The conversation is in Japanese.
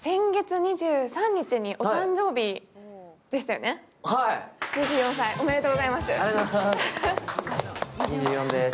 ２４歳おめでとうございます。